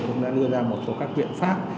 cũng đã đưa ra một số các biện pháp